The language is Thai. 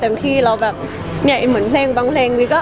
แต่จริงแล้วเขาก็ไม่ได้กลิ่นกันว่าถ้าเราจะมีเพลงไทยก็ได้